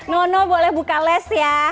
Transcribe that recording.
nono boleh buka les ya